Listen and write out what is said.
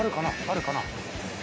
あるかな？